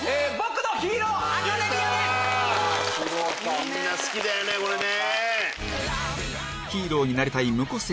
みんな好きだよねこれね。